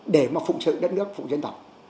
để mà phụng sự đất nước phụng dân tộc